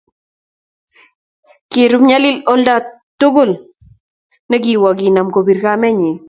Kirub nyalil oldo togul ne ki wok koname kopir kamenyii